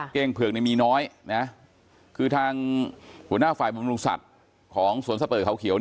เก้งเผือกมีน้อยนะคือทางหัวหน้าฝ่ายบำรุงสัตว์ของสวนสเปอร์เขาเขียว